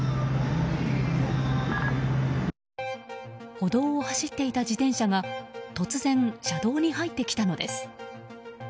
歩道を走っていた自転車が突然、車道に入ってきたのです。